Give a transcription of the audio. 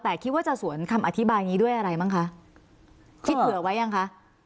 แต่คิดว่าจะสวนคำอธิบายนี้ด้วยอะไรบ้างคะคิดเผื่อไว้ยังคะ